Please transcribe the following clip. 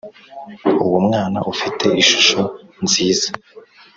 uwo mwana ufite ishusho nziza